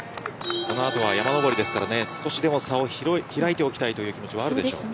この後は山登りですから、少しでも差を開いておきたいという気持ちはあるでしょうね。